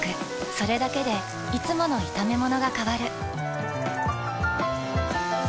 それだけでいつもの炒めものが変わる。